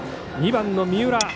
２番の三浦。